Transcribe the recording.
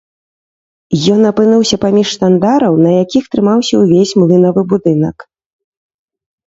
Ён апынуўся паміж штандараў, на якіх трымаўся ўвесь млынавы будынак.